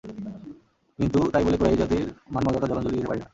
কিন্তু তাই বলে কুরাইশ জাতির মান-মর্যাদা জলাঞ্জলী দিতে পারি না।